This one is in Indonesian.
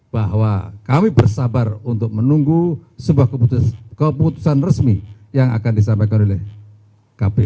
bahwa kami bersabar untuk menunggu sebuah keputusan resmi yang akan disampaikan oleh kpu